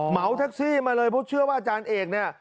อ๋อมาเลยเพราะเชื่อว่าอาจารย์เอกเนี่ย